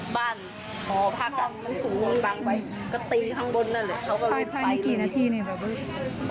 พายนี่กี่นาทีนี่แบบ